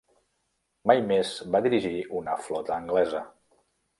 Mai més va dirigir una flota anglesa.